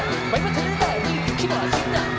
ใบมันเฉียบได้มีคิมอร์ชชิ้นนะ